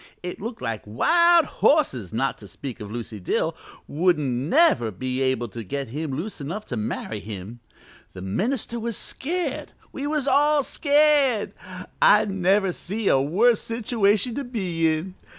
It looked like wild horses, not to speak of Lucy Dill, wouldn't never be able to get him loose enough to marry him. The minister was scared; we was all scared. I never see a worse situation to be in.